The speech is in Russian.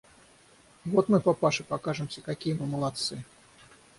Вот мы папаше покажемся, какие мы молодцы!